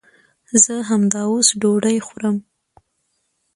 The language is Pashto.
زه همداوس ډوډۍ خورم